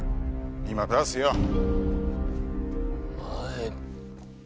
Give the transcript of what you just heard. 今出すよ。お前！